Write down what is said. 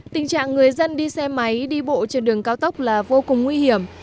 tình trạng người dân đi xe máy đi bộ trên đường cao tốc là vô cùng nguy hiểm